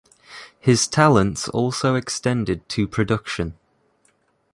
His talents also extended to production.